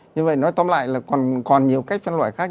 như vậy nói tóm lại là còn nhiều cách phân loại khác